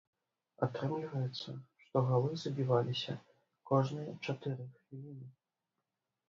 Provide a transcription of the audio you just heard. Атрымліваецца, што галы забіваліся кожныя чатыры хвіліны.